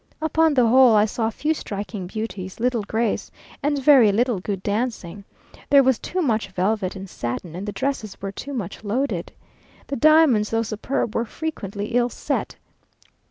Upon the whole, I saw few striking beauties, little grace, and very little good dancing. There was too much velvet and satin, and the dresses were too much loaded. The diamonds, though superb, were frequently ill set.